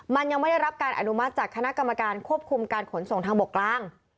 มันยังไม่ได้รับการอนุมัติจากคณะกรรมการควบคุมการขนส่งทางบกกลาง